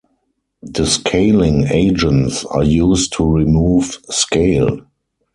Descaling agents are used to remove scale.